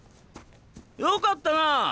よかったなあ。